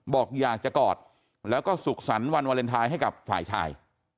บอกอยากจะกอดแล้วก็สุขสรรค์วันวาเลนไทยให้กับฝ่ายชาย